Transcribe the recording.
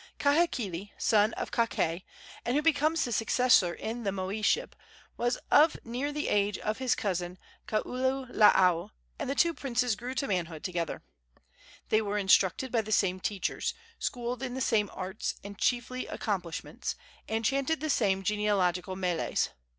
Kahekili, son of Kakae, and who became his successor in the moiship, was of near the age of his cousin, Kaululaau, and the two princes grew to manhood together. They were instructed by the same teachers, schooled in the same arts and chiefly accomplishments, and chanted the same genealogical meles.